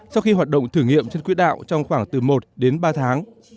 sau khi hoạt động thử nghiệm trên quỹ đạo trong khoảng từ một đến ba tháng